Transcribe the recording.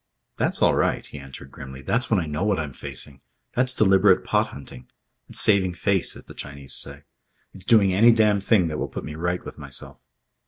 "That's all right," he answered grimly. "That's when I know what I'm facing. That's deliberate pot hunting. It's saving face as the Chinese say. It's doing any damned thing that will put me right with myself."